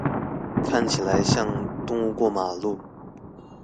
看起來像動物過馬路